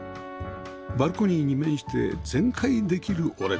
バルコニーに面して全開できる折れ戸